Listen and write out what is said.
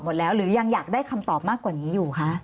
หมดแล้วหรือยังอยากได้คำตอบมากกว่านี้อยู่คะ